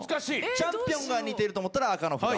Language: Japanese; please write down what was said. チャンピオンが似てると思ったら赤の札を。